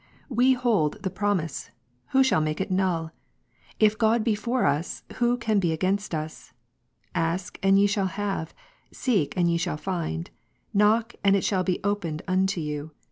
We hold the promise, who shall make it null ? If God be for us, who can he against us ? Ask, Rom. 8, and ye shall have ; seek, and ye shall find ; knock, and it ^^tt. 7 shall be opened unto you.